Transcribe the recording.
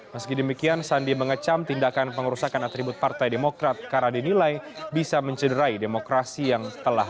meski demikian sandi mengecam tindakan pengerusakan atribut partai demokrat karena dinilai bisa mencederai demokrasi yang telah